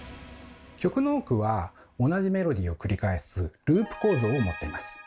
曲の多くは同じメロディーを繰り返す「ループ構造」を持ってます。